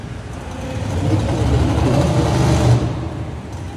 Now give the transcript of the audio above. Il écrit également de nombreuses pièces de théâtre.